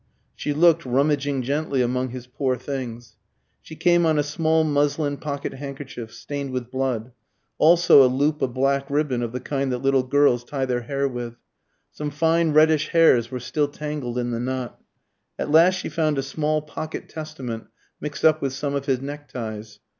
She looked, rummaging gently among his poor things. She came on a small muslin pocket handkerchief, stained with blood, also a loop of black ribbon of the kind that little girls tie their hair with. Some fine reddish hairs were still tangled in the knot. At last she found a small pocket Testament mixed up with some of his neckties.